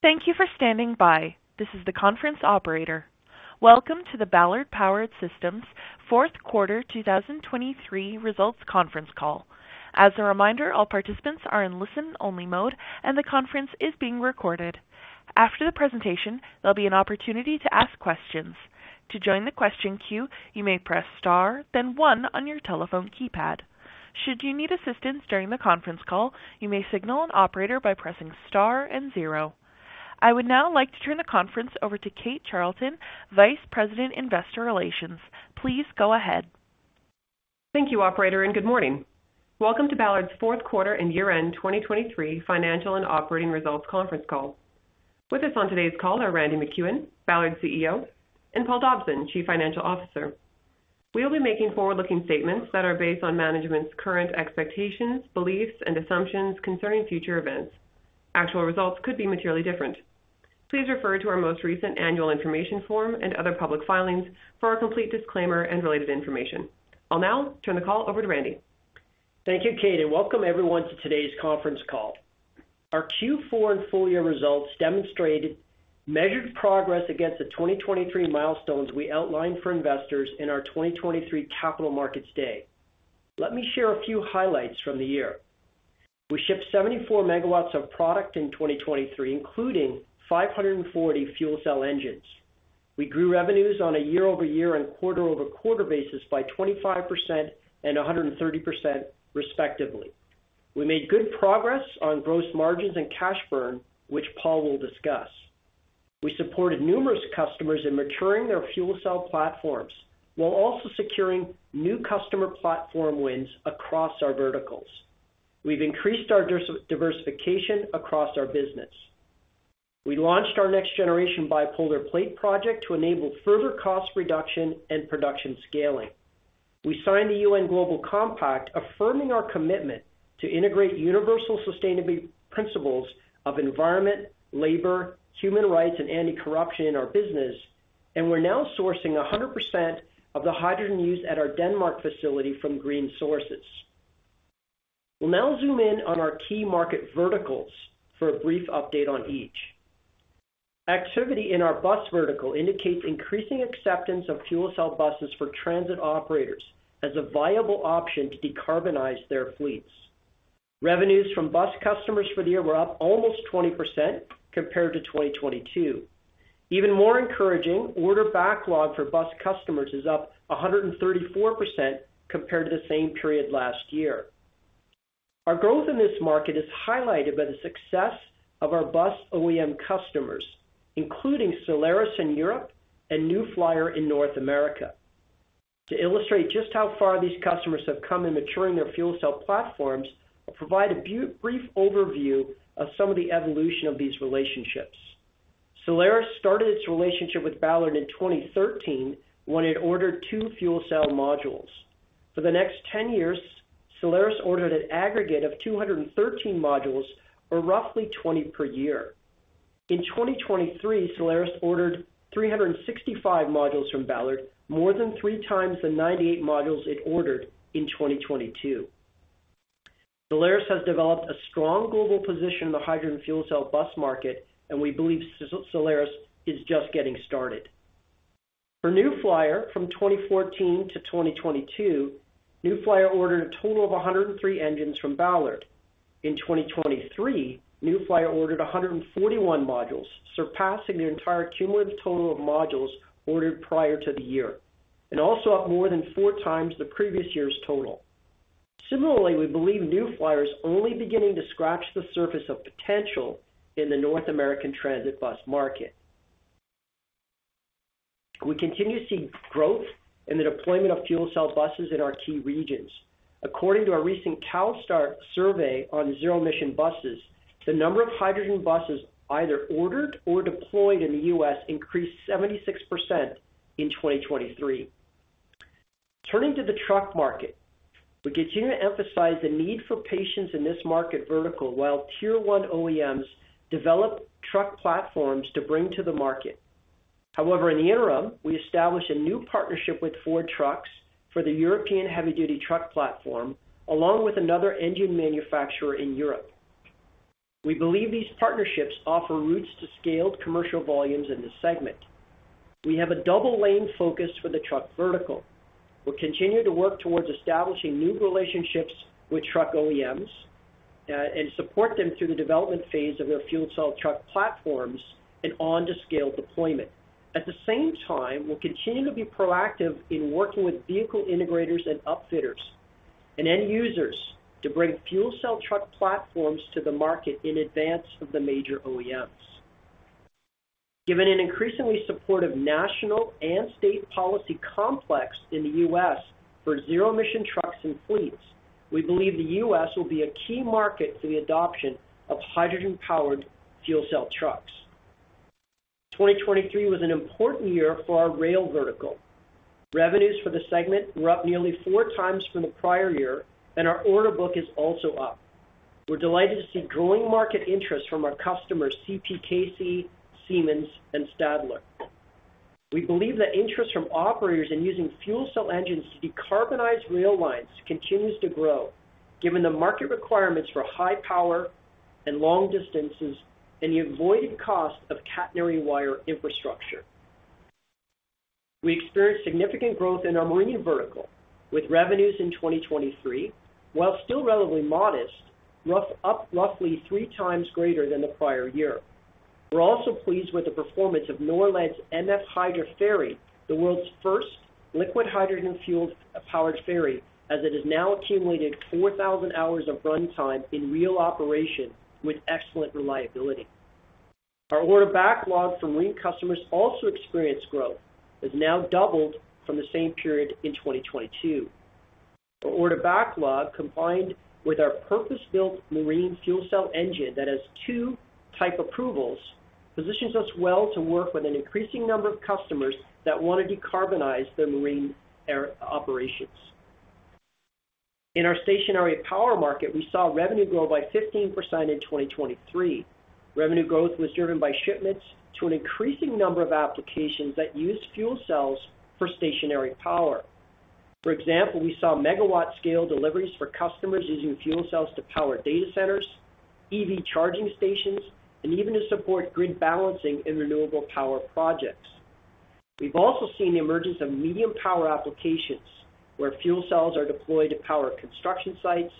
Thank you for standing by. This is the conference operator. Welcome to the Ballard Power Systems fourth quarter 2023 results conference call. As a reminder, all participants are in listen-only mode and the conference is being recorded. After the presentation, there'll be an opportunity to ask questions. To join the question queue, you may press star, then one on your telephone keypad. Should you need assistance during the conference call, you may signal an operator by pressing star and zero. I would now like to turn the conference over to Kate Charlton, Vice President, Investor Relations. Please go ahead. Thank you, operator, and good morning. Welcome to Ballard's fourth quarter and year-end 2023 financial and operating results conference call. With us on today's call are Randy MacEwen, Ballard CEO, and Paul Dobson, Chief Financial Officer. We will be making forward-looking statements that are based on management's current expectations, beliefs, and assumptions concerning future events. Actual results could be materially different. Please refer to our most recent annual information form and other public filings for a complete disclaimer and related information. I'll now turn the call over to Randy. Thank you, Kate, and welcome everyone to today's conference call. Our Q4 and full-year results demonstrated measured progress against the 2023 milestones we outlined for investors in our 2023 Capital Markets Day. Let me share a few highlights from the year. We shipped 74 MW of product in 2023, including 540 fuel cell engines. We grew revenues on a year-over-year and quarter-over-quarter basis by 25% and 130%, respectively. We made good progress on gross margins and cash burn, which Paul will discuss. We supported numerous customers in maturing their fuel cell platforms while also securing new customer platform wins across our verticals. We've increased our diversification across our business. We launched our next-generation bipolar plate project to enable further cost reduction and production scaling. We signed the UN Global Compact, affirming our commitment to integrate universal sustainability principles of environment, labor, human rights, and anti-corruption in our business, and we're now sourcing 100% of the hydrogen used at our Denmark facility from green sources. We'll now zoom in on our key market verticals for a brief update on each. Activity in our bus vertical indicates increasing acceptance of fuel cell buses for transit operators as a viable option to decarbonize their fleets. Revenues from bus customers for the year were up almost 20% compared to 2022. Even more encouraging, order backlog for bus customers is up 134% compared to the same period last year. Our growth in this market is highlighted by the success of our bus OEM customers, including Solaris in Europe and New Flyer in North America. To illustrate just how far these customers have come in maturing their fuel cell platforms, I'll provide a brief overview of some of the evolution of these relationships. Solaris started its relationship with Ballard in 2013 when it ordered 2 fuel cell modules. For the next 10 years, Solaris ordered an aggregate of 213 modules, or roughly 20 per year. In 2023, Solaris ordered 365 modules from Ballard, more than 3 times the 98 modules it ordered in 2022. Solaris has developed a strong global position in the hydrogen fuel cell bus market, and we believe Solaris is just getting started. For New Flyer, from 2014 to 2022, New Flyer ordered a total of 103 engines from Ballard. In 2023, New Flyer ordered 141 modules, surpassing the entire cumulative total of modules ordered prior to the year, and also up more than 4 times the previous year's total. Similarly, we believe New Flyer is only beginning to scratch the surface of potential in the North American transit bus market. We continue to see growth in the deployment of fuel cell buses in our key regions. According to our recent CALSTART survey on zero-emission buses, the number of hydrogen buses either ordered or deployed in the U.S. increased 76% in 2023. Turning to the truck market, we continue to emphasize the need for patience in this market vertical while tier-one OEMs develop truck platforms to bring to the market. However, in the interim, we established a new partnership with Ford Trucks for the European heavy-duty truck platform, along with another engine manufacturer in Europe. We believe these partnerships offer routes to scaled commercial volumes in this segment. We have a double-lane focus for the truck vertical. We'll continue to work towards establishing new relationships with truck OEMs and support them through the development phase of their fuel cell truck platforms and on-to-scale deployment. At the same time, we'll continue to be proactive in working with vehicle integrators and upfitters and end users to bring fuel cell truck platforms to the market in advance of the major OEMs. Given an increasingly supportive national and state policy complex in the U.S. for zero-emission trucks and fleets, we believe the U.S. will be a key market for the adoption of hydrogen-powered fuel cell trucks. 2023 was an important year for our rail vertical. Revenues for the segment were up nearly 4 times from the prior year, and our order book is also up. We're delighted to see growing market interest from our customers CPKC, Siemens, and Stadler. We believe that interest from operators in using fuel cell engines to decarbonize rail lines continues to grow, given the market requirements for high power and long distances and the avoided cost of catenary wire infrastructure. We experienced significant growth in our marine vertical, with revenues in 2023, while still relatively modest, up roughly 3 times greater than the prior year. We're also pleased with the performance of Norled's MF Hydra Ferry, the world's first liquid hydrogen-fueled ferry, as it has now accumulated 4,000 hours of runtime in real operation with excellent reliability. Our order backlog from marine customers also experienced growth, has now doubled from the same period in 2022. Our order backlog, combined with our purpose-built marine fuel cell engine that has 2 type approvals, positions us well to work with an increasing number of customers that want to decarbonize their marine operations. In our stationary power market, we saw revenue grow by 15% in 2023. Revenue growth was driven by shipments to an increasing number of applications that use fuel cells for stationary power. For example, we saw megawatt-scale deliveries for customers using fuel cells to power data centers, EV charging stations, and even to support grid balancing in renewable power projects. We've also seen the emergence of medium power applications, where fuel cells are deployed to power construction sites,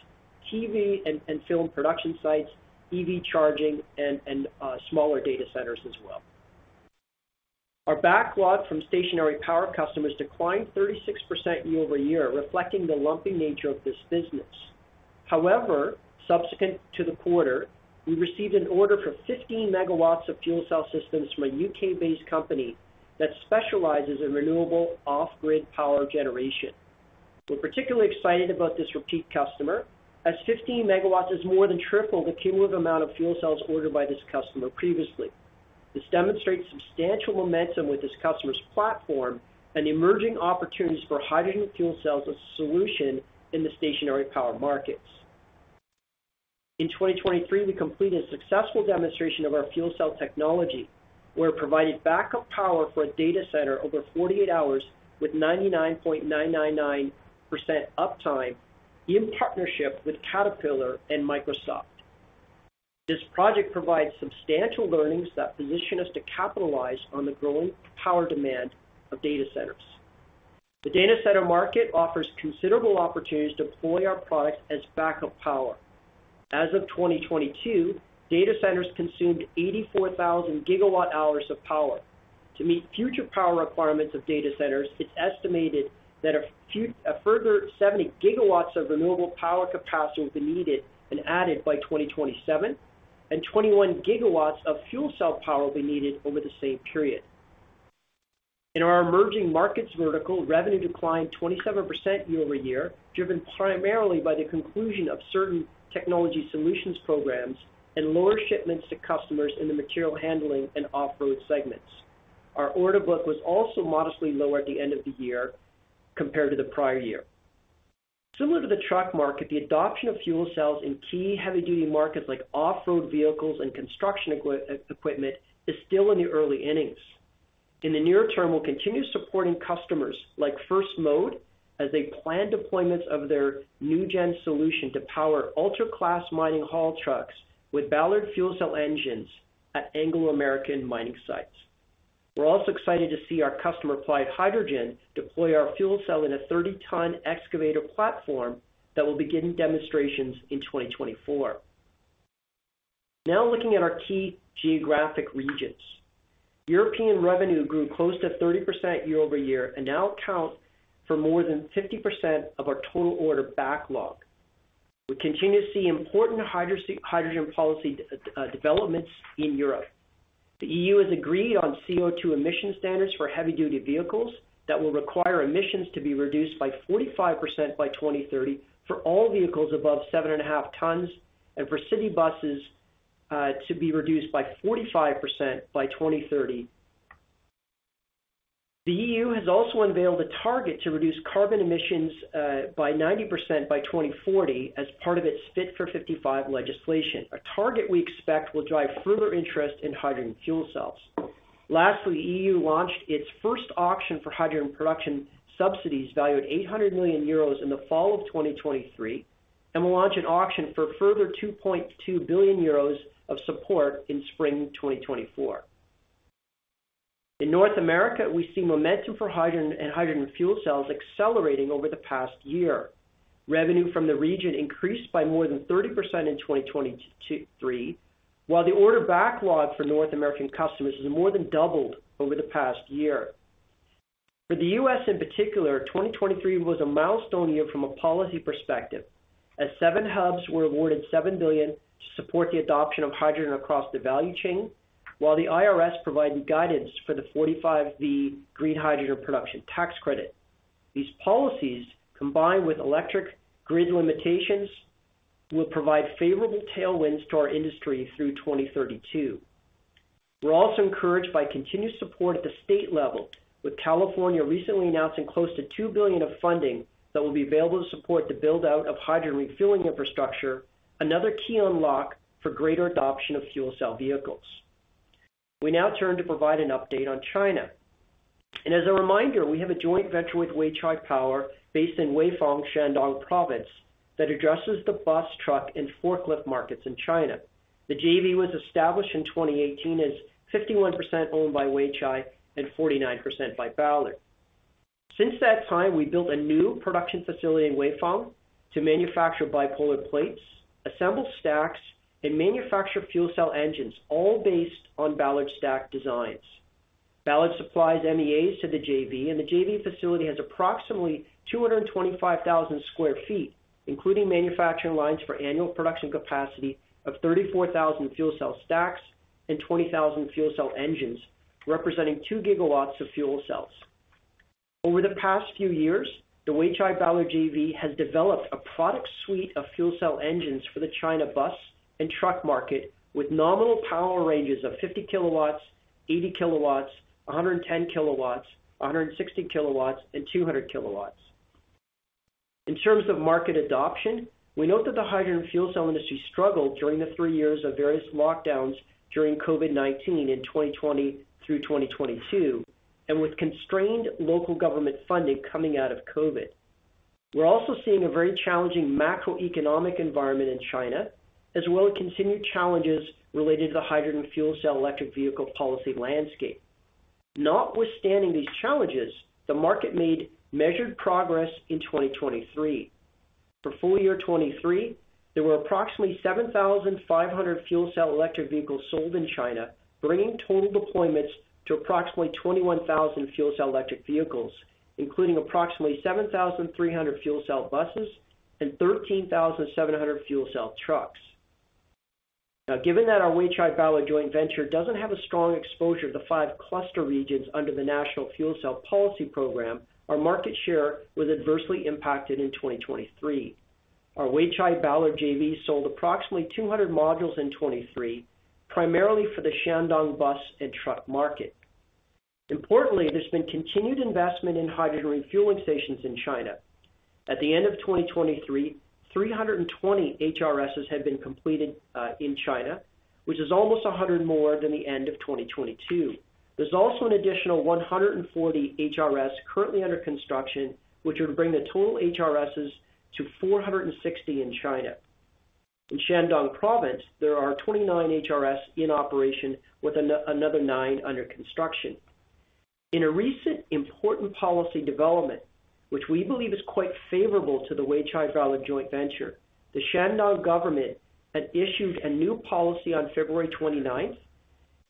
TV and film production sites, EV charging, and smaller data centers as well. Our backlog from stationary power customers declined 36% year-over-year, reflecting the lumpy nature of this business. However, subsequent to the quarter, we received an order for 15 MW of fuel cell systems from a U.K.-based company that specializes in renewable off-grid power generation. We're particularly excited about this repeat customer, as 15 MW is more than triple the cumulative amount of fuel cells ordered by this customer previously. This demonstrates substantial momentum with this customer's platform and emerging opportunities for hydrogen fuel cells as a solution in the stationary power markets. In 2023, we completed a successful demonstration of our fuel cell technology, where it provided backup power for a data center over 48 hours with 99.999% uptime in partnership with Caterpillar and Microsoft. This project provides substantial learnings that position us to capitalize on the growing power demand of data centers. The data center market offers considerable opportunities to deploy our products as backup power. As of 2022, data centers consumed 84,000 GWh of power. To meet future power requirements of data centers, it's estimated that a further 70 GW of renewable power capacity will be needed and added by 2027, and 21 GW of fuel cell power will be needed over the same period. In our emerging markets vertical, revenue declined 27% year-over-year, driven primarily by the conclusion of certain technology solutions programs and lower shipments to customers in the material handling and off-road segments. Our order book was also modestly low at the end of the year compared to the prior year. Similar to the truck market, the adoption of fuel cells in key heavy-duty markets like off-road vehicles and construction equipment is still in the early innings. In the near term, we'll continue supporting customers like FirstMode as they plan deployments of their new-gen solution to power ultra-class mining haul trucks with Ballard fuel cell engines at Anglo American mining sites. We're also excited to see our customer Applied Hydrogen deploy our fuel cell in a 30-ton excavator platform that will begin demonstrations in 2024. Now looking at our key geographic regions. European revenue grew close to 30% year-over-year and now accounts for more than 50% of our total order backlog. We continue to see important hydrogen policy developments in Europe. The EU has agreed on CO2 emission standards for heavy-duty vehicles that will require emissions to be reduced by 45% by 2030 for all vehicles above 7.5 tons, and for city buses to be reduced by 45% by 2030. The EU has also unveiled a target to reduce carbon emissions by 90% by 2040 as part of its Fit for 55 legislation, a target we expect will drive further interest in hydrogen fuel cells. Lastly, the EU launched its first auction for hydrogen production subsidies valued 800 million euros in the fall of 2023, and will launch an auction for further 2.2 billion euros of support in spring 2024. In North America, we see momentum for hydrogen and hydrogen fuel cells accelerating over the past year. Revenue from the region increased by more than 30% in 2023, while the order backlog for North American customers has more than doubled over the past year. For the US in particular, 2023 was a milestone year from a policy perspective, as seven hubs were awarded $7 billion to support the adoption of hydrogen across the value chain, while the IRS provided guidance for the 45V Green Hydrogen Production Tax Credit. These policies, combined with electric grid limitations, will provide favorable tailwinds to our industry through 2032. We're also encouraged by continued support at the state level, with California recently announcing close to $2 billion of funding that will be available to support the build-out of hydrogen refueling infrastructure, another key unlock for greater adoption of fuel cell vehicles. We now turn to provide an update on China. As a reminder, we have a joint venture with Weichai Power based in Weifang, Shandong Province, that addresses the bus, truck, and forklift markets in China. The JV was established in 2018 as 51% owned by Weichai and 49% by Ballard. Since that time, we built a new production facility in Weifang to manufacture bipolar plates, assemble stacks, and manufacture fuel cell engines, all based on Ballard stack designs. Ballard supplies MEAs to the JV, and the JV facility has approximately 225,000 sq ft, including manufacturing lines for annual production capacity of 34,000 fuel cell stacks and 20,000 fuel cell engines, representing 2 GW of fuel cells. Over the past few years, the Weichai-Ballard JV has developed a product suite of fuel cell engines for the China bus and truck market, with nominal power ranges of 50 kW, 80 kW, 110 kW, 160 kW, and 200 kW. In terms of market adoption, we note that the hydrogen fuel cell industry struggled during the three years of various lockdowns during COVID-19 in 2020 through 2022, and with constrained local government funding coming out of COVID. We're also seeing a very challenging macroeconomic environment in China, as well as continued challenges related to the hydrogen fuel cell electric vehicle policy landscape. Notwithstanding these challenges, the market made measured progress in 2023. For full year 2023, there were approximately 7,500 fuel cell electric vehicles sold in China, bringing total deployments to approximately 21,000 fuel cell electric vehicles, including approximately 7,300 fuel cell buses and 13,700 fuel cell trucks. Now, given that our Weichai-Ballard joint venture doesn't have a strong exposure to the five cluster regions under the National Fuel Cell Policy Program, our market share was adversely impacted in 2023. Our Weichai-Ballard JV sold approximately 200 modules in 2023, primarily for the Shandong bus and truck market. Importantly, there's been continued investment in hydrogen refueling stations in China. At the end of 2023, 320 HRSs had been completed in China, which is almost 100 more than the end of 2022. There's also an additional 140 HRSs currently under construction, which would bring the total HRSs to 460 in China. In Shandong Province, there are 29 HRSs in operation, with another 9 under construction. In a recent important policy development, which we believe is quite favorable to the Weichai-Ballard joint venture, the Shandong government had issued a new policy on February 29th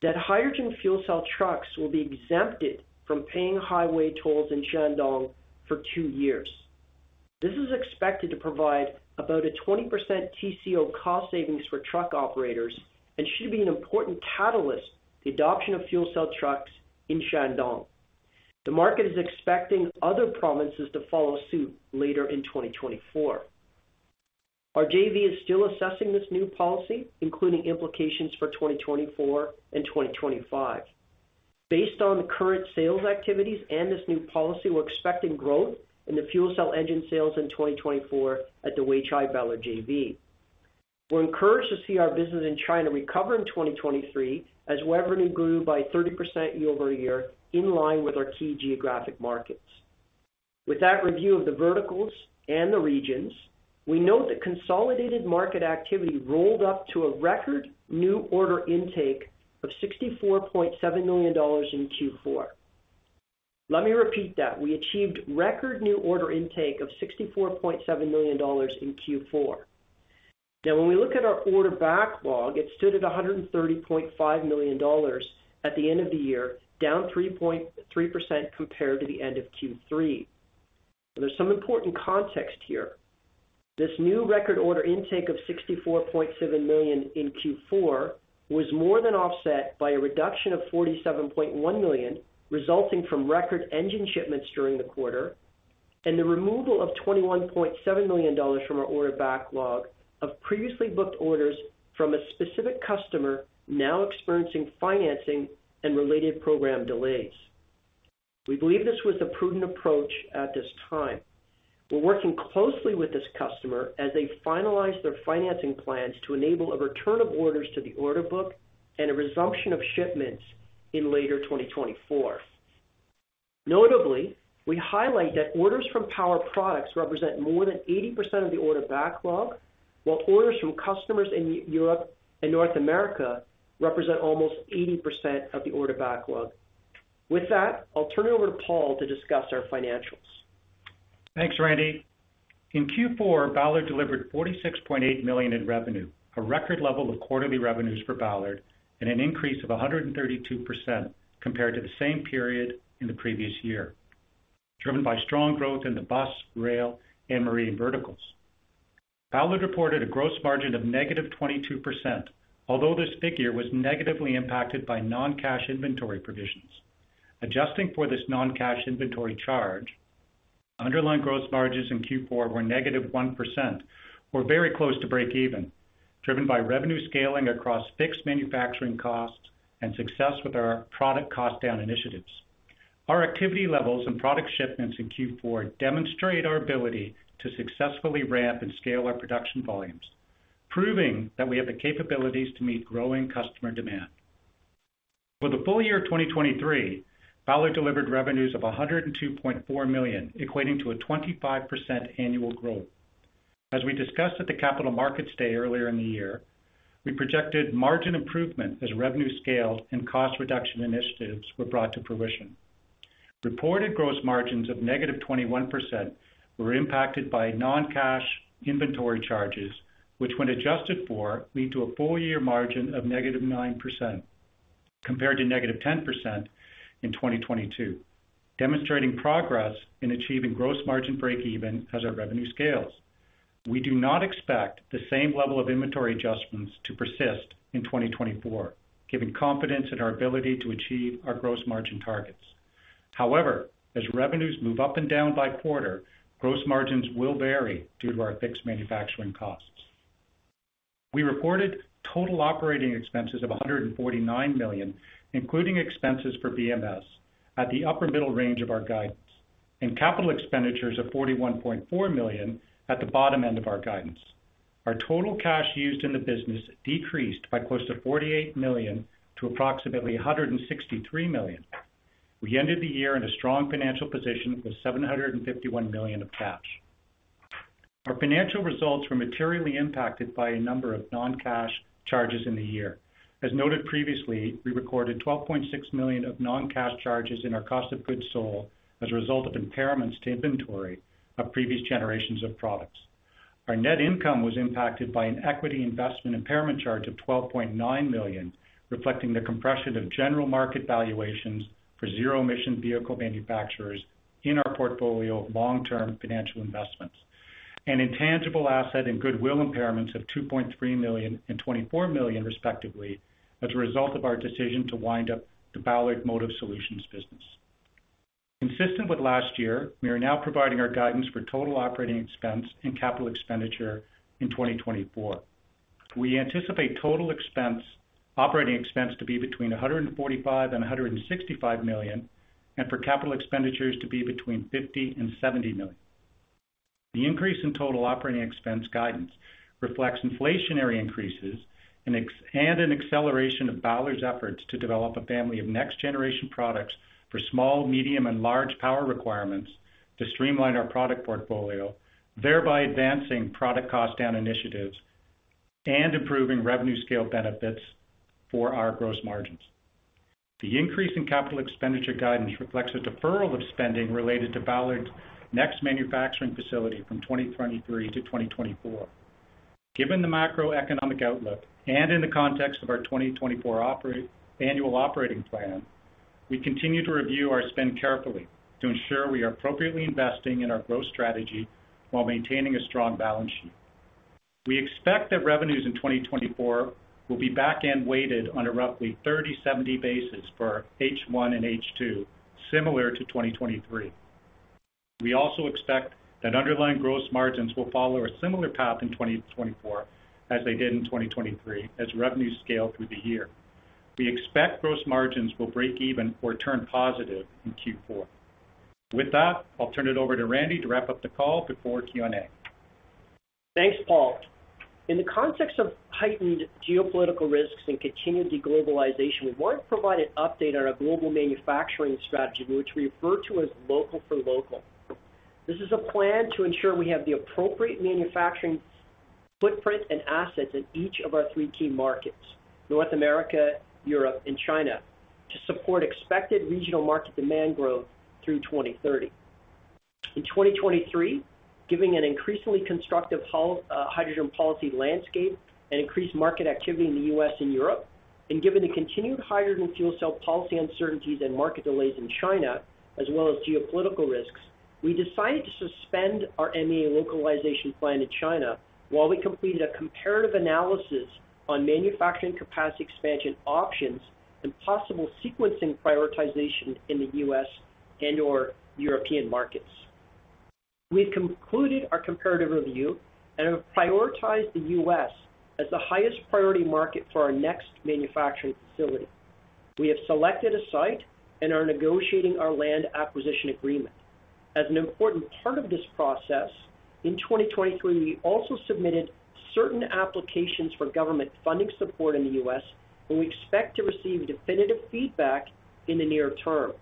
that hydrogen fuel cell trucks will be exempted from paying highway tolls in Shandong for two years. This is expected to provide about a 20% TCO cost savings for truck operators and should be an important catalyst to the adoption of fuel cell trucks in Shandong. The market is expecting other provinces to follow suit later in 2024. Our JV is still assessing this new policy, including implications for 2024 and 2025. Based on the current sales activities and this new policy, we're expecting growth in the fuel cell engine sales in 2024 at the Weichai-Ballard JV. We're encouraged to see our business in China recover in 2023, as revenue grew by 30% year-over-year in line with our key geographic markets. With that review of the verticals and the regions, we note that consolidated market activity rolled up to a record new order intake of $64.7 million in Q4. Let me repeat that: we achieved record new order intake of $64.7 million in Q4. Now, when we look at our order backlog, it stood at $130.5 million at the end of the year, down 3.3% compared to the end of Q3. Now, there's some important context here. This new record order intake of $64.7 million in Q4 was more than offset by a reduction of $47.1 million, resulting from record engine shipments during the quarter and the removal of $21.7 million from our order backlog of previously booked orders from a specific customer now experiencing financing and related program delays. We believe this was a prudent approach at this time. We're working closely with this customer as they finalize their financing plans to enable a return of orders to the order book and a resumption of shipments in later 2024. Notably, we highlight that orders from power products represent more than 80% of the order backlog, while orders from customers in Europe and North America represent almost 80% of the order backlog. With that, I'll turn it over to Paul to discuss our financials. Thanks, Randy. In Q4, Ballard delivered $46.8 million in revenue, a record level of quarterly revenues for Ballard, and an increase of 132% compared to the same period in the previous year, driven by strong growth in the bus, rail, and marine verticals. Ballard reported a gross margin of negative 22%, although this figure was negatively impacted by non-cash inventory provisions. Adjusting for this non-cash inventory charge, underlying gross margins in Q4 were negative 1% or very close to break-even, driven by revenue scaling across fixed manufacturing costs and success with our product cost-down initiatives. Our activity levels and product shipments in Q4 demonstrate our ability to successfully ramp and scale our production volumes, proving that we have the capabilities to meet growing customer demand. For the full year 2023, Ballard delivered revenues of $102.4 million, equating to a 25% annual growth. As we discussed at the Capital Markets Day earlier in the year, we projected margin improvement as revenue scaled and cost reduction initiatives were brought to fruition. Reported gross margins of -21% were impacted by non-cash inventory charges, which, when adjusted for, lead to a full-year margin of -9% compared to -10% in 2022, demonstrating progress in achieving gross margin break-even as our revenue scales. We do not expect the same level of inventory adjustments to persist in 2024, giving confidence in our ability to achieve our gross margin targets. However, as revenues move up and down by quarter, gross margins will vary due to our fixed manufacturing costs. We reported total operating expenses of $149 million, including expenses for BMS, at the upper-middle range of our guidance, and capital expenditures of $41.4 million at the bottom end of our guidance. Our total cash used in the business decreased by close to $48 million to approximately $163 million. We ended the year in a strong financial position with $751 million of cash. Our financial results were materially impacted by a number of non-cash charges in the year. As noted previously, we recorded $12.6 million of non-cash charges in our cost of goods sold as a result of impairments to inventory of previous generations of products. Our net income was impacted by an equity investment impairment charge of $12.9 million, reflecting the compression of general market valuations for zero-emission vehicle manufacturers in our portfolio of long-term financial investments, and intangible asset and goodwill impairments of $2.3 million and $24 million, respectively, as a result of our decision to wind up the Ballard Motive Solutions business. Consistent with last year, we are now providing our guidance for total operating expense and capital expenditure in 2024. We anticipate total operating expense to be between $145-$165 million, and for capital expenditures to be between $50-$70 million. The increase in total operating expense guidance reflects inflationary increases and an acceleration of Ballard's efforts to develop a family of next-generation products for small, medium, and large power requirements to streamline our product portfolio, thereby advancing product cost-down initiatives and improving revenue-scale benefits for our gross margins. The increase in capital expenditure guidance reflects a deferral of spending related to Ballard's next manufacturing facility from 2023 to 2024. Given the macroeconomic outlook and in the context of our 2024 annual operating plan, we continue to review our spend carefully to ensure we are appropriately investing in our growth strategy while maintaining a strong balance sheet. We expect that revenues in 2024 will be back-end weighted on a roughly 30/70 basis for H1 and H2, similar to 2023. We also expect that underlying gross margins will follow a similar path in 2024 as they did in 2023 as revenues scale through the year. We expect gross margins will break-even or turn positive in Q4. With that, I'll turn it over to Randy to wrap up the call before Q&A. Thanks, Paul. In the context of heightened geopolitical risks and continued deglobalization, we want to provide an update on our global manufacturing strategy, which we refer to as local for local. This is a plan to ensure we have the appropriate manufacturing footprint and assets in each of our three key markets: North America, Europe, and China, to support expected regional market demand growth through 2030. In 2023, given an increasingly constructive hydrogen policy landscape and increased market activity in the U.S. and Europe, and given the continued hydrogen fuel cell policy uncertainties and market delays in China, as well as geopolitical risks, we decided to suspend our MEA localization plan in China while we completed a comparative analysis on manufacturing capacity expansion options and possible sequencing prioritization in the U.S. and/or European markets. We've concluded our comparative review and have prioritized the U.S. as the highest priority market for our next manufacturing facility. We have selected a site and are negotiating our land acquisition agreement. As an important part of this process, in 2023, we also submitted certain applications for government funding support in the U.S., and we expect to receive definitive feedback in the near term.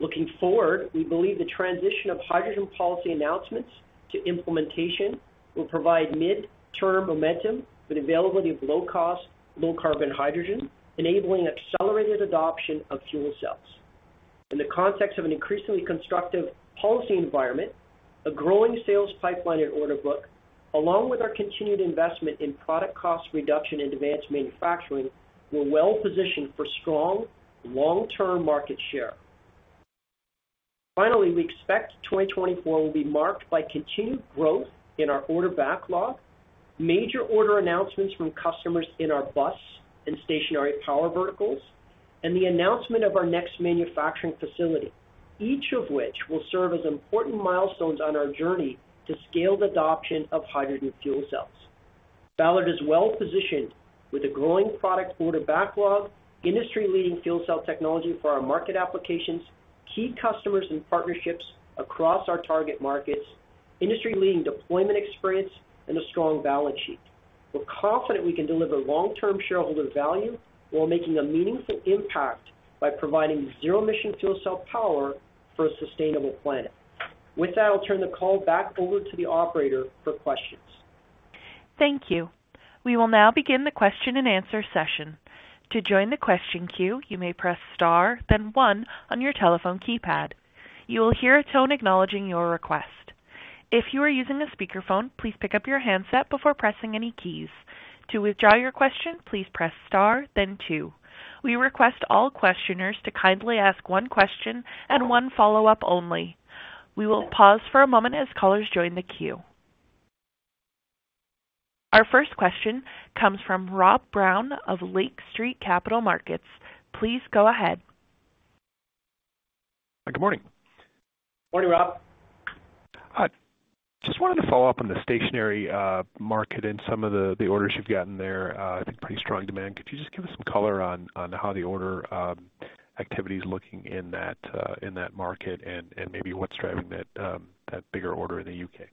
Looking forward, we believe the transition of hydrogen policy announcements to implementation will provide mid-term momentum with the availability of low-cost, low-carbon hydrogen, enabling accelerated adoption of fuel cells. In the context of an increasingly constructive policy environment, a growing sales pipeline and order book, along with our continued investment in product cost reduction and advanced manufacturing, were well-positioned for strong, long-term market share. Finally, we expect 2024 will be marked by continued growth in our order backlog, major order announcements from customers in our bus and stationary power verticals, and the announcement of our next manufacturing facility, each of which will serve as important milestones on our journey to scale the adoption of hydrogen fuel cells. Ballard is well-positioned with a growing product order backlog, industry-leading fuel cell technology for our market applications, key customers and partnerships across our target markets, industry-leading deployment experience, and a strong balance sheet. We're confident we can deliver long-term shareholder value while making a meaningful impact by providing zero-emission fuel cell power for a sustainable planet. With that, I'll turn the call back over to the operator for questions. Thank you. We will now begin the question-and-answer session. To join the question queue, you may press * then 1 on your telephone keypad. You will hear a tone acknowledging your request. If you are using a speakerphone, please pick up your handset before pressing any keys. To withdraw your question, please press * then 2. We request all questioners to kindly ask one question and one follow-up only. We will pause for a moment as callers join the queue. Our first question comes from Rob Brown of Lake Street Capital Markets. Please go ahead. Good morning. Morning, Rob. Hi. Just wanted to follow up on the stationary market and some of the orders you've gotten there. I think pretty strong demand. Could you just give us some color on how the order activity is looking in that market and maybe what's driving that bigger order in the UK?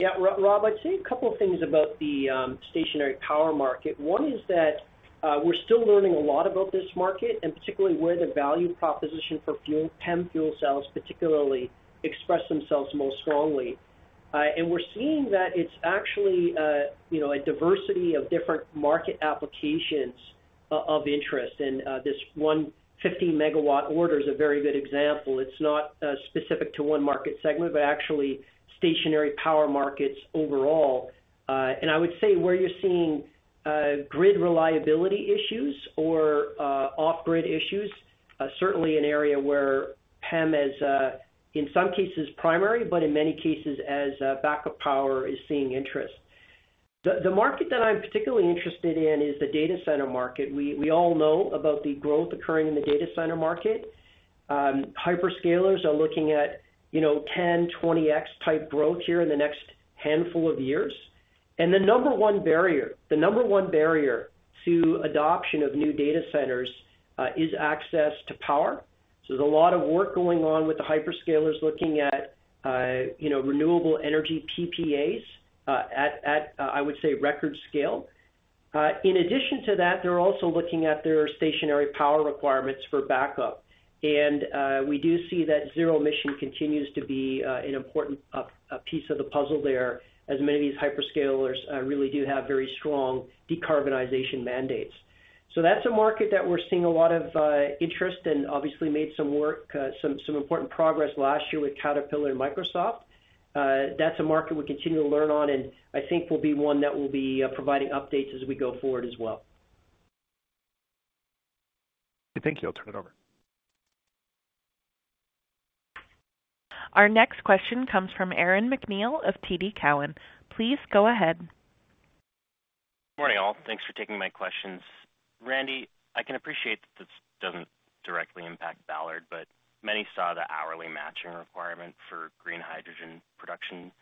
Yeah, Rob. I'd say a couple of things about the stationary power market. One is that we're still learning a lot about this market, and particularly where the value proposition for PEM fuel cells particularly expressed themselves most strongly. We're seeing that it's actually a diversity of different market applications of interest. This one 15-MW order is a very good example. It's not specific to one market segment, but actually stationary power markets overall. I would say where you're seeing grid reliability issues or off-grid issues, certainly an area where PEM is, in some cases, primary, but in many cases, as backup power, is seeing interest. The market that I'm particularly interested in is the data center market. We all know about the growth occurring in the data center market. Hyperscalers are looking at 10x, 20x type growth here in the next handful of years. The number one barrier to adoption of new data centers is access to power. So there's a lot of work going on with the hyperscalers looking at renewable energy PPAs at, I would say, record scale. In addition to that, they're also looking at their stationary power requirements for backup. We do see that zero-emission continues to be an important piece of the puzzle there, as many of these hyperscalers really do have very strong decarbonization mandates. So that's a market that we're seeing a lot of interest in, obviously made some important progress last year with Caterpillar and Microsoft. That's a market we continue to learn on, and I think will be one that will be providing updates as we go forward as well. Thank you. I'll turn it over. Our next question comes from Aaron MacNeil of TD Cowen. Please go ahead. Good morning, all. Thanks for taking my questions. Randy, I can appreciate that this doesn't directly impact Ballard, but many saw the hourly matching requirement for green hydrogen production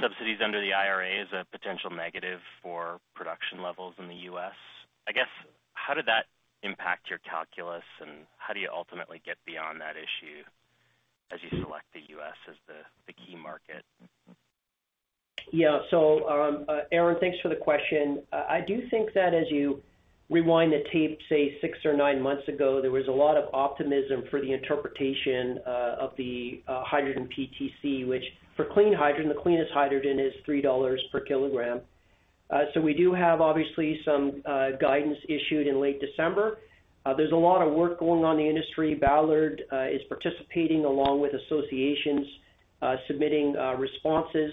subsidies under the IRA as a potential negative for production levels in the U.S. I guess, how did that impact your calculus, and how do you ultimately get beyond that issue as you select the U.S. as the key market? Yeah. So, Aaron, thanks for the question. I do think that as you rewind the tape, say, six or nine months ago, there was a lot of optimism for the interpretation of the hydrogen PTC, which for clean hydrogen, the cleanest hydrogen is $3 per kilogram. So we do have, obviously, some guidance issued in late December. There's a lot of work going on in the industry. Ballard is participating along with associations submitting responses.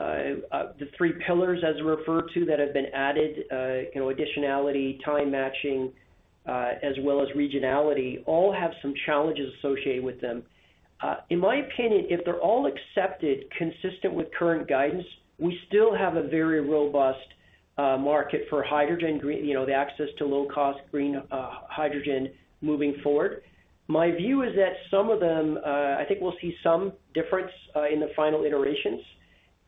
The three pillars, as we refer to, that have been added-additionality, time matching, as well as regionality-all have some challenges associated with them. In my opinion, if they're all accepted consistent with current guidance, we still have a very robust market for hydrogen, the access to low-cost green hydrogen moving forward. My view is that some of them-I think we'll see some difference in the final iterations.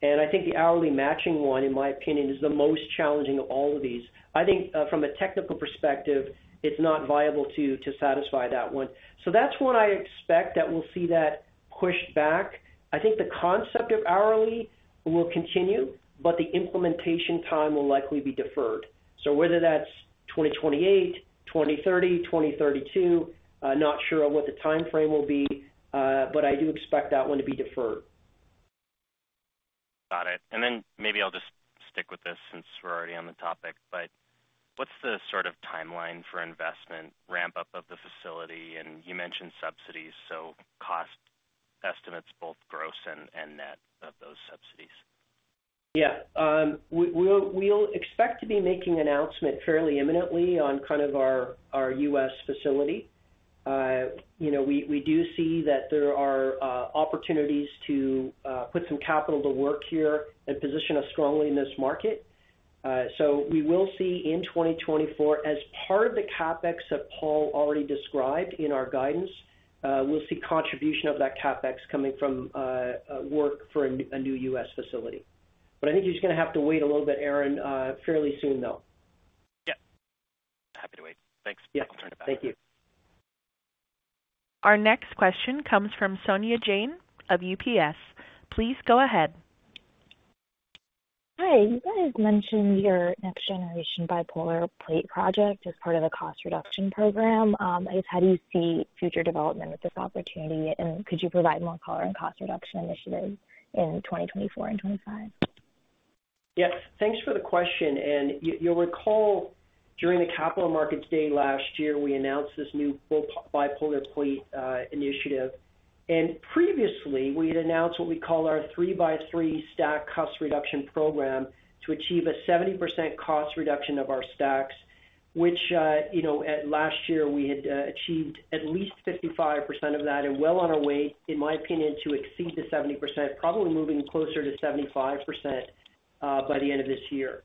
I think the hourly matching one, in my opinion, is the most challenging of all of these. I think, from a technical perspective, it's not viable to satisfy that one. So that's one I expect that we'll see that pushed back. I think the concept of hourly will continue, but the implementation time will likely be deferred. So whether that's 2028, 2030, 2032, not sure what the timeframe will be, but I do expect that one to be deferred. Got it. And then maybe I'll just stick with this since we're already on the topic, but what's the sort of timeline for investment ramp-up of the facility? And you mentioned subsidies, so cost estimates, both gross and net of those subsidies. Yeah. We'll expect to be making an announcement fairly imminently on kind of our U.S. facility. We do see that there are opportunities to put some capital to work here and position us strongly in this market. So we will see in 2024, as part of the CapEx that Paul already described in our guidance, we'll see contribution of that CapEx coming from work for a new U.S. facility. But I think he's going to have to wait a little bit, Aaron, fairly soon, though. Yeah. Happy to wait. Thanks. I'll turn it back. Yeah. Thank you. Our next question comes from Saumya Jain of UBS. Please go ahead. Hi. You guys mentioned your next-generation bipolar plate project as part of a cost reduction program. I guess, how do you see future development with this opportunity, and could you provide more color on cost reduction initiatives in 2024 and 2025? Yeah. Thanks for the question. And you'll recall, during the Capital Markets Day last year, we announced this new bipolar plate initiative. And previously, we had announced what we call our 3x3 stack cost reduction program to achieve a 70% cost reduction of our stacks, which last year, we had achieved at least 55% of that and well on our way, in my opinion, to exceed the 70%, probably moving closer to 75% by the end of this year.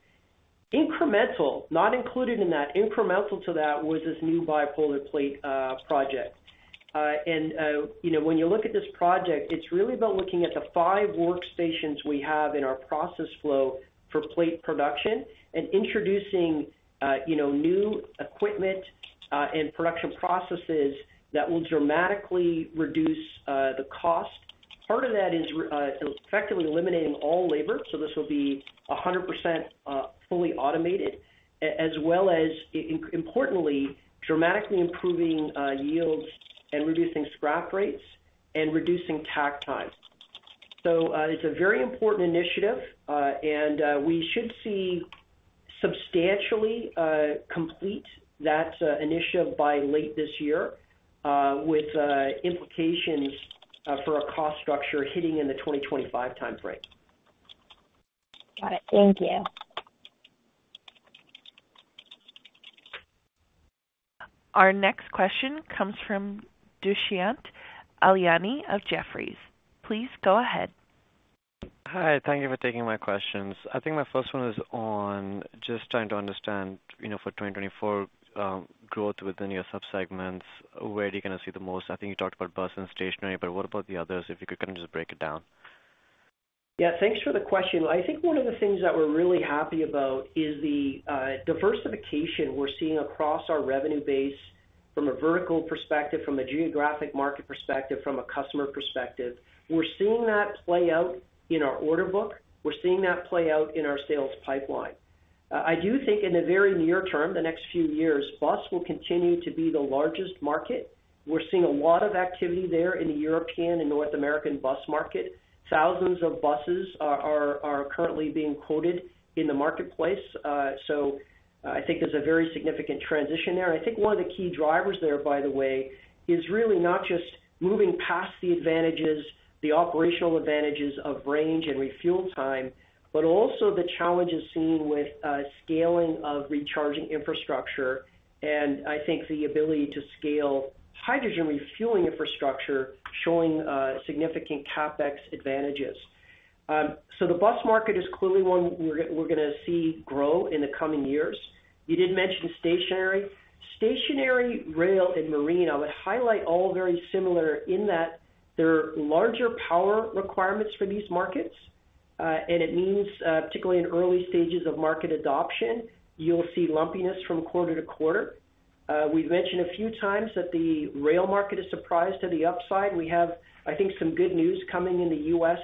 Incremental—not included in that—incremental to that was this new bipolar plate project. And when you look at this project, it's really about looking at the 5 workstations we have in our process flow for plate production and introducing new equipment and production processes that will dramatically reduce the cost. Part of that is effectively eliminating all labor, so this will be 100% fully automated, as well as, importantly, dramatically improving yields and reducing scrap rates and reducing tax time. So it's a very important initiative, and we should see substantially complete that initiative by late this year with implications for a cost structure hitting in the 2025 timeframe. Got it. Thank you. Our next question comes from Dushyant Ailani of Jefferies. Please go ahead. Hi. Thank you for taking my questions. I think my first one is on just trying to understand, for 2024, growth within your subsegments. Where do you kind of see the most? I think you talked about bus and stationary, but what about the others? If you could kind of just break it down. Yeah. Thanks for the question. I think one of the things that we're really happy about is the diversification we're seeing across our revenue base from a vertical perspective, from a geographic market perspective, from a customer perspective. We're seeing that play out in our order book. We're seeing that play out in our sales pipeline. I do think, in the very near term, the next few years, bus will continue to be the largest market. We're seeing a lot of activity there in the European and North American bus market. Thousands of buses are currently being quoted in the marketplace. So I think there's a very significant transition there. I think one of the key drivers there, by the way, is really not just moving past the operational advantages of range and refuel time, but also the challenges seen with scaling of recharging infrastructure and, I think, the ability to scale hydrogen refueling infrastructure, showing significant CapEx advantages. So the bus market is clearly one we're going to see grow in the coming years. You did mention stationary. Stationary, rail, and marine, I would highlight, all very similar in that there are larger power requirements for these markets. And it means, particularly in early stages of market adoption, you'll see lumpiness from quarter to quarter. We've mentioned a few times that the rail market is surprised to the upside. We have, I think, some good news coming in the U.S.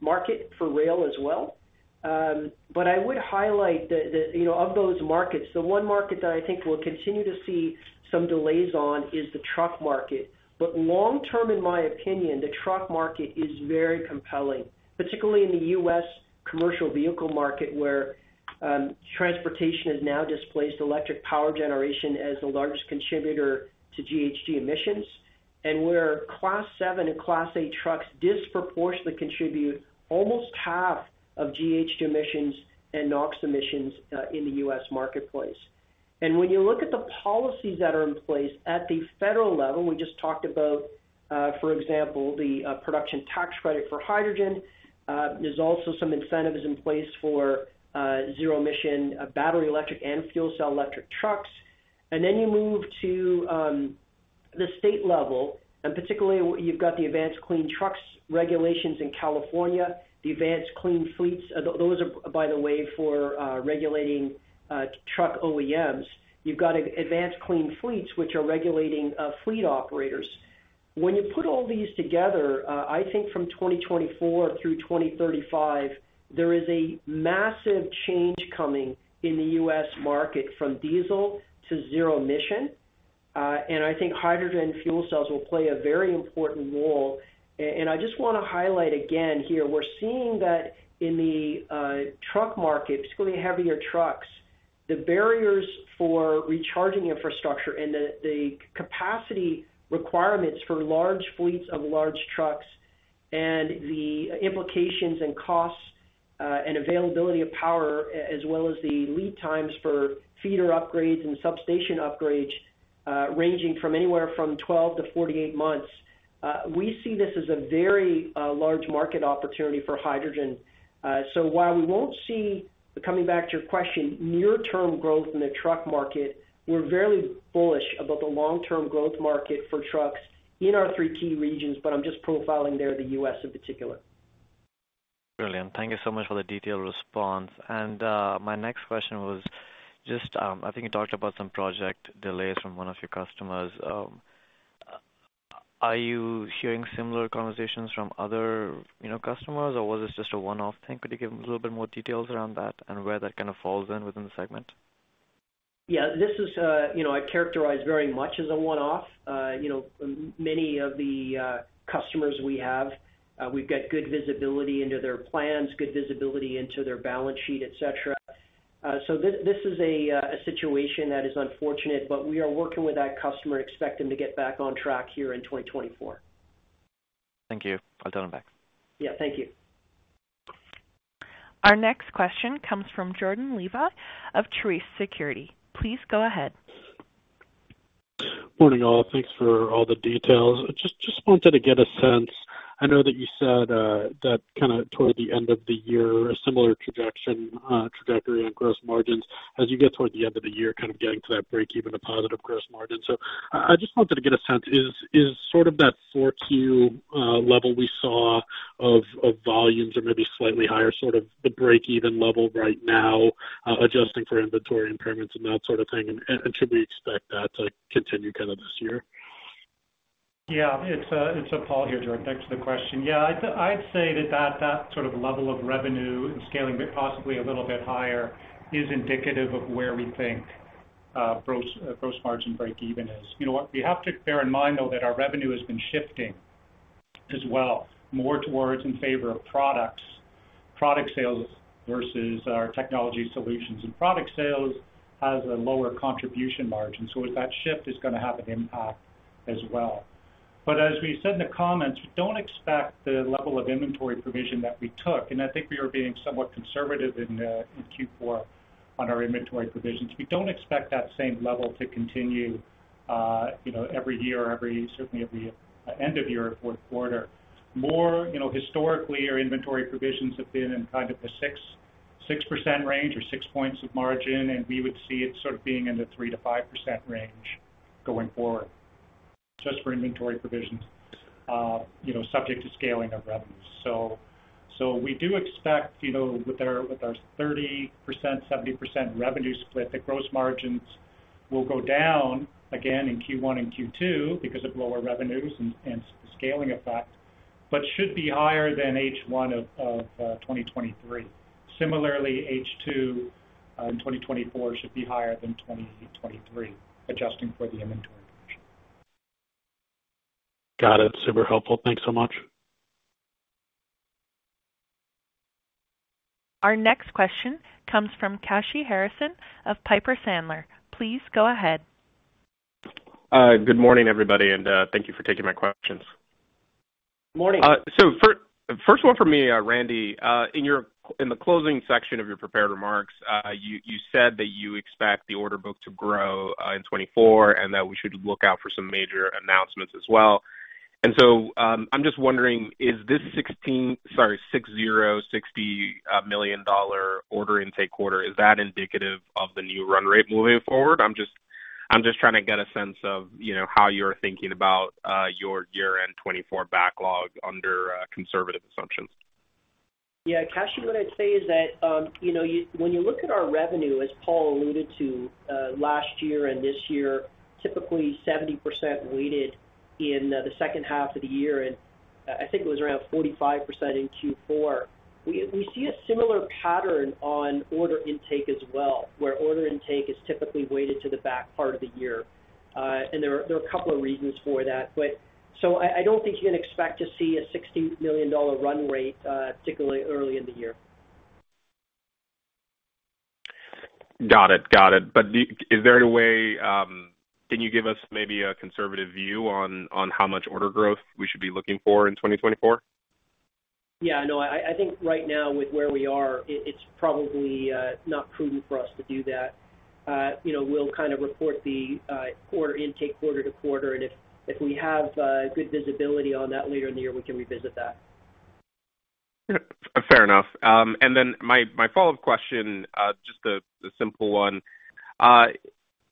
market for rail as well. But I would highlight that, of those markets, the one market that I think we'll continue to see some delays on is the truck market. But long-term, in my opinion, the truck market is very compelling, particularly in the U.S. commercial vehicle market where transportation has now displaced electric power generation as the largest contributor to GHG emissions, and where Class 7 and Class 8 trucks disproportionately contribute almost half of GHG emissions and NOx emissions in the U.S. marketplace. And when you look at the policies that are in place at the federal level - we just talked about, for example, the production tax credit for hydrogen - there's also some incentives in place for zero-emission battery electric and fuel cell electric trucks. And then you move to the state level, and particularly, you've got the Advanced Clean Trucks regulations in California, the Advanced Clean Fleets. Those are, by the way, for regulating truck OEMs. You've got Advanced Clean Fleets, which are regulating fleet operators. When you put all these together, I think from 2024 through 2035, there is a massive change coming in the U.S. market from diesel to zero-emission. I think hydrogen fuel cells will play a very important role. I just want to highlight again here, we're seeing that in the truck market, particularly heavier trucks, the barriers for recharging infrastructure and the capacity requirements for large fleets of large trucks and the implications and costs and availability of power, as well as the lead times for feeder upgrades and substation upgrades, ranging anywhere from 12-48 months. We see this as a very large market opportunity for hydrogen. So while we won't see, coming back to your question, near-term growth in the truck market, we're very bullish about the long-term growth market for trucks in our three key regions, but I'm just profiling there the U.S. in particular. Brilliant. Thank you so much for the detailed response. My next question was just, I think you talked about some project delays from one of your customers. Are you hearing similar conversations from other customers, or was this just a one-off thing? Could you give a little bit more details around that and where that kind of falls in within the segment? Yeah. This is characterized very much as a one-off. Many of the customers we have, we've got good visibility into their plans, good visibility into their balance sheet, etc. So this is a situation that is unfortunate, but we are working with that customer and expect them to get back on track here in 2024. Thank you. I'll turn it back. Yeah. Thank you. Our next question comes from Jordan Levy of Truist Securities. Please go ahead. Morning, all. Thanks for all the details. Just wanted to get a sense. I know that you said that kind of toward the end of the year, a similar trajectory on gross margins. As you get toward the end of the year, kind of getting to that break-even of positive gross margin. So I just wanted to get a sense, is sort of that 4Q level we saw of volumes or maybe slightly higher, sort of the break-even level right now adjusting for inventory impairments and that sort of thing? And should we expect that to continue kind of this year? Yeah. It's Paul here, Jordan. Thanks for the question. Yeah. I'd say that that sort of level of revenue and scaling possibly a little bit higher is indicative of where we think gross margin break-even is. You know what? You have to bear in mind, though, that our revenue has been shifting as well, more towards and favor of product sales versus our technology solutions. And product sales has a lower contribution margin, so that shift is going to have an impact as well. But as we said in the comments, we don't expect the level of inventory provision that we took - and I think we were being somewhat conservative in Q4 on our inventory provisions - we don't expect that same level to continue every year, certainly every end of year or fourth quarter. More historically, our inventory provisions have been in kind of the 6% range or 6 points of margin, and we would see it sort of being in the 3%-5% range going forward, just for inventory provisions, subject to scaling of revenues. So we do expect, with our 30%, 70% revenue split, that gross margins will go down again in Q1 and Q2 because of lower revenues and the scaling effect, but should be higher than H1 of 2023. Similarly, H2 in 2024 should be higher than 2023, adjusting for the inventory provision. Got it. Super helpful. Thanks so much. Our next question comes from Kashy Harrison of Piper Sandler. Please go ahead. Good morning, everybody, and thank you for taking my questions. Morning. First one from me, Randy. In the closing section of your prepared remarks, you said that you expect the order book to grow in 2024 and that we should look out for some major announcements as well. I'm just wondering, is this 16, sorry, $60.6 million order intake quarter, is that indicative of the new run rate moving forward? I'm just trying to get a sense of how you're thinking about your year-end 2024 backlog under conservative assumptions. Yeah. Kashy, what I'd say is that when you look at our revenue, as Paul alluded to last year and this year, typically 70% weighted in the second half of the year, and I think it was around 45% in Q4, we see a similar pattern on order intake as well, where order intake is typically weighted to the back part of the year. And there are a couple of reasons for that. So I don't think you can expect to see a $60 million run rate, particularly early in the year. Got it. Got it. But is there any way can you give us maybe a conservative view on how much order growth we should be looking for in 2024? Yeah. No. I think right now, with where we are, it's probably not prudent for us to do that. We'll kind of report the order intake quarter to quarter, and if we have good visibility on that later in the year, we can revisit that. Fair enough. And then my follow-up question, just a simple one,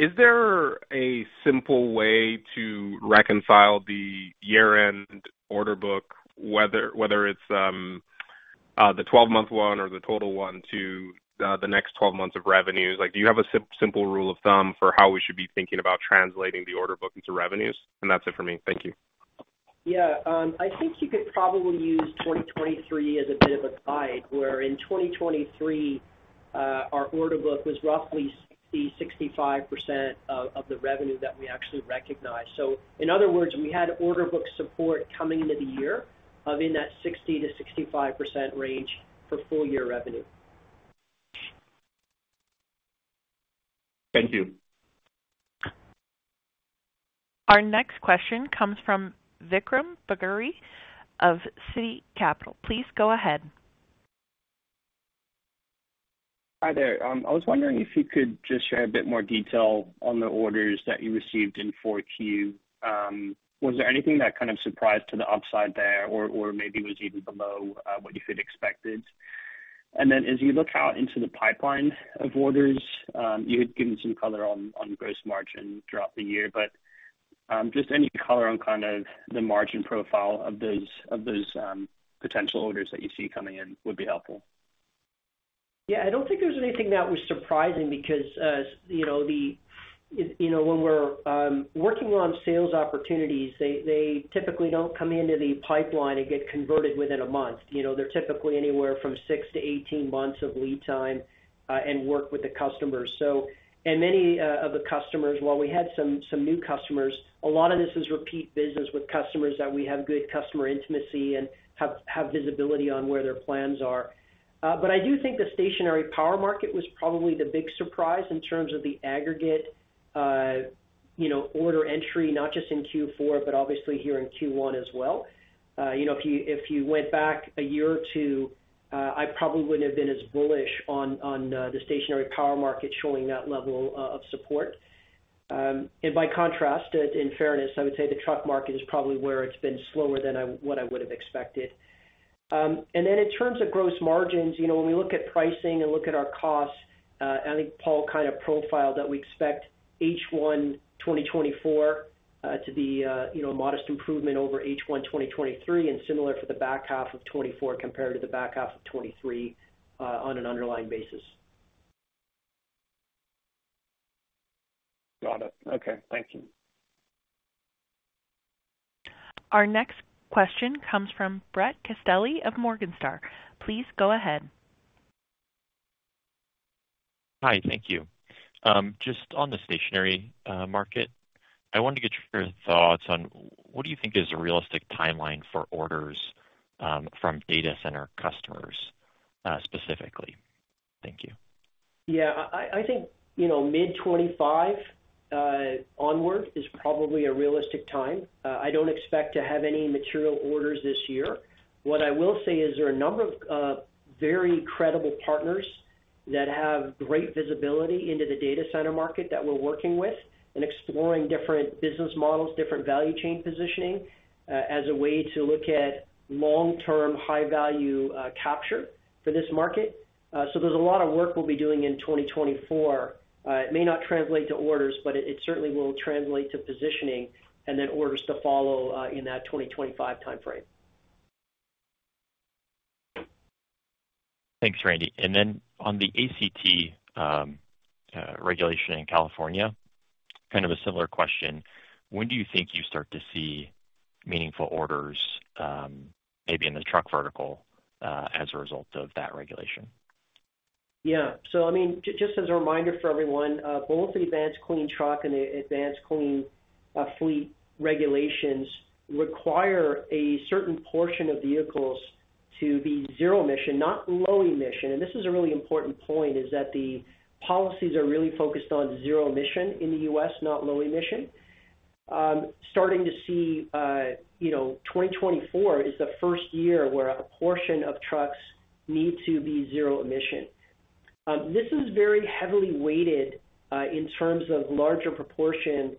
is there a simple way to reconcile the year-end order book, whether it's the 12-month one or the total one, to the next 12 months of revenues? Do you have a simple rule of thumb for how we should be thinking about translating the order book into revenues? And that's it for me. Thank you. Yeah. I think you could probably use 2023 as a bit of a guide, where in 2023, our order book was roughly 60%-65% of the revenue that we actually recognized. So in other words, we had order book support coming into the year of in that 60%-65% range for full-year revenue. Thank you. Our next question comes from Vikram Bagri of Citi. Please go ahead. Hi there. I was wondering if you could just share a bit more detail on the orders that you received in 4Q. Was there anything that kind of surprised to the upside there or maybe was even below what you had expected? And then, as you look out into the pipeline of orders, you had given some color on gross margin throughout the year, but just any color on kind of the margin profile of those potential orders that you see coming in would be helpful. Yeah. I don't think there's anything that was surprising because when we're working on sales opportunities, they typically don't come into the pipeline and get converted within a month. They're typically anywhere from 6-18 months of lead time and work with the customers. And many of the customers, while we had some new customers, a lot of this is repeat business with customers that we have good customer intimacy and have visibility on where their plans are. But I do think the stationary power market was probably the big surprise in terms of the aggregate order entry, not just in Q4, but obviously here in Q1 as well. If you went back a year or two, I probably wouldn't have been as bullish on the stationary power market showing that level of support. By contrast, in fairness, I would say the truck market is probably where it's been slower than what I would have expected. Then, in terms of gross margins, when we look at pricing and look at our costs, I think Paul kind of profiled that we expect H1 2024 to be a modest improvement over H1 2023 and similar for the back half of 2024 compared to the back half of 2023 on an underlying basis. Got it. Okay. Thank you. Our next question comes from Brett Castelli of Morningstar. Please go ahead. Hi. Thank you. Just on the stationary market, I wanted to get your thoughts on what do you think is a realistic timeline for orders from data center customers specifically? Thank you. Yeah. I think mid-2025 onward is probably a realistic time. I don't expect to have any material orders this year. What I will say is there are a number of very credible partners that have great visibility into the data center market that we're working with and exploring different business models, different value chain positioning as a way to look at long-term high-value capture for this market. So there's a lot of work we'll be doing in 2024. It may not translate to orders, but it certainly will translate to positioning and then orders to follow in that 2025 timeframe. Thanks, Randy. And then, on the ACT regulation in California, kind of a similar question, when do you think you start to see meaningful orders, maybe in the truck vertical, as a result of that regulation? Yeah. So I mean, just as a reminder for everyone, both the Advanced Clean Trucks and the Advanced Clean Fleets regulations require a certain portion of vehicles to be zero-emission, not low-emission. And this is a really important point, is that the policies are really focused on zero-emission in the U.S., not low-emission. Starting to see 2024 is the first year where a portion of trucks need to be zero-emission. This is very heavily weighted in terms of larger proportion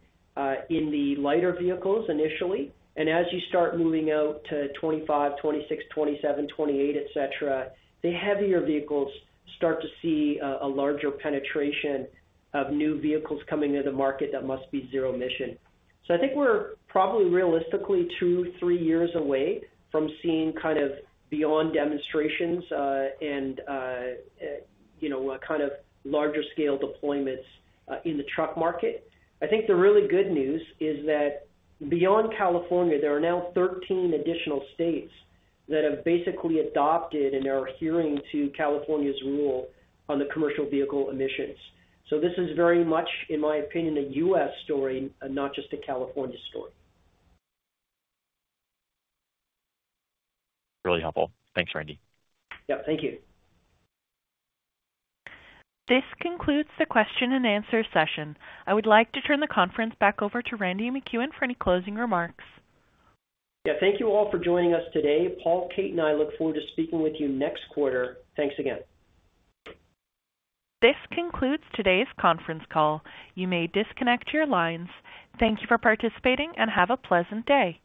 in the lighter vehicles initially. And as you start moving out to 2025, 2026, 2027, 2028, etc., the heavier vehicles start to see a larger penetration of new vehicles coming into the market that must be zero-emission. So I think we're probably realistically two, three years away from seeing kind of beyond demonstrations and kind of larger-scale deployments in the truck market. I think the really good news is that beyond California, there are now 13 additional states that have basically adopted and are adhering to California's rule on the commercial vehicle emissions. This is very much, in my opinion, a U.S. story, not just a California story. Really helpful. Thanks, Randy. Yep. Thank you. This concludes the question-and-answer session. I would like to turn the conference back over to Randy MacEwen for any closing remarks. Yeah. Thank you all for joining us today. Paul, Kate, and I look forward to speaking with you next quarter. Thanks again. This concludes today's conference call. You may disconnect your lines. Thank you for participating, and have a pleasant day.